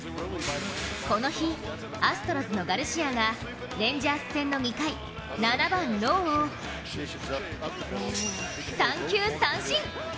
この日、アストロズのガルシアがレンジャーズ戦の２回７番・ローを三球三振。